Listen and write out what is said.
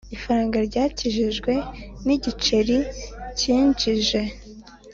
ifaranga ryakijijwe ni igiceri cyinjije